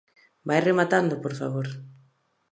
Vai rematando, por favor.